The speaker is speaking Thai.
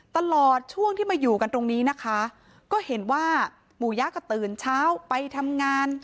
ตลอดช่วงที่มาอยู่กันตรงนี้นะคะก็เห็นว่าหมู่ยะก็ตื่นเช้าไปทำงาน